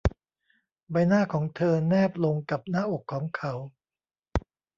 ใบหน้าของเธอแนบลงกับหน้าอกของเขา